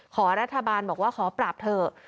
ข่อรัฐบาลบอกว่าก็มาปรับเถอะ